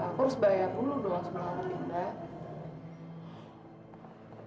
aku harus bayar dulu doang sebelum aku pindah